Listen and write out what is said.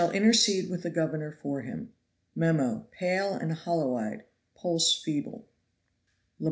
intercede with the governor for him. Mem. Pale and hollow eyed; pulse feeble.